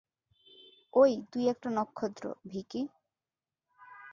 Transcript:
ওই তুই একটা নক্ষত্র, ভিকি!